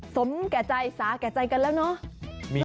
สมแก่ใจสาแก่ใจกันแล้วเนาะ